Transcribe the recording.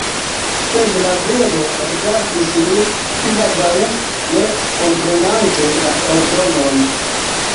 Sed la viro rigardis lin, kvazaŭ ne komprenante la ordonon.